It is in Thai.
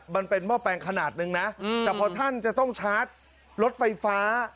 หม้อแปลงขนาดหนึ่งนะแต่พอท่านจะต้องชาร์จรถไฟฟ้า